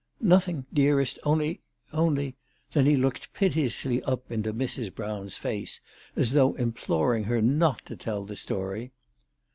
" Nothing, dearest only only ." Then he looked piteously up into Mrs. Brown's face, as though im ploring her not to tell the story.